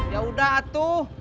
ya udah atuh